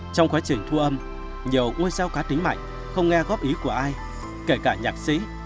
trong quá trình thu âm nhiều ngôi sao khá tính mạnh không nghe góp ý của ai kể cả nhạc sĩ